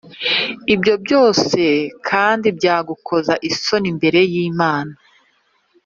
Ibyo byose kandi byagukoza isoni imbere y’Imana,